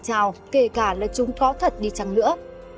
chào kể cả là chúng có thật đi chăng nữa